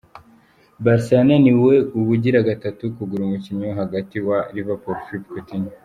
Barca yananiwe ubugira gatatu kugura umukinnyi wo hagati wa Liverpool , Philippe Coutinho.